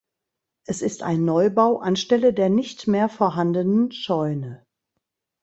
Es ist ein Neubau anstelle der nicht mehr vorhandenen Scheune.